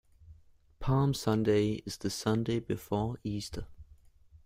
Palm Sunday is the Sunday before Easter.